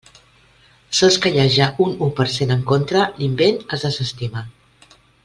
Sols que hi haja un u per cent en contra, l'invent es desestima.